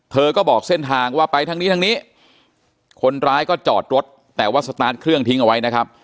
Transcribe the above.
เธอก็บอกเส้นทางว่าไปทางนี้ทางนี้คนร้ายก็จอดรถแต่ว่าสตาร์ทเครื่องทิ้งเอาไว้นะครับ